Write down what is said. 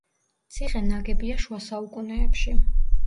ციხე ნაგებია შუა საუკუნეებში.